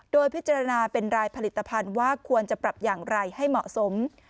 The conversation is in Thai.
โดยพิจารณาเป็นรายผลิตภัณฑ์ว่าควรจะปรับอย่างไรให้เหมาะสม